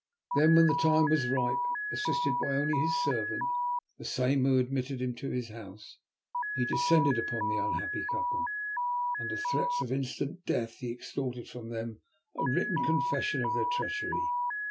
Then when the time was ripe, assisted only by his servant, the same who had admitted him to his house, he descended upon the unhappy couple. Under threats of instant death he extorted from them a written confession of their treachery.